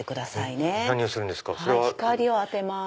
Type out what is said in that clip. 光を当てます。